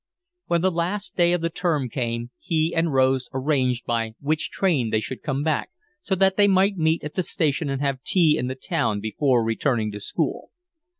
When the last day of term came he and Rose arranged by which train they should come back, so that they might meet at the station and have tea in the town before returning to school.